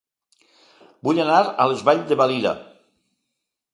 Vull anar a Les Valls de Valira